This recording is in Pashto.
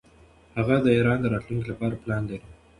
هغه د ایران د راتلونکي لپاره پلان لري.